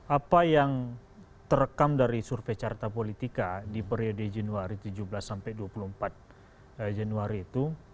apa yang terekam dari survei carta politika di periode januari tujuh belas sampai dua puluh empat januari itu